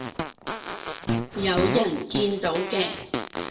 有人見到嘅